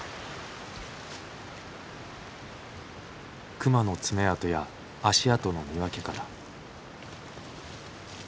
熊の爪痕や足跡の見分け方。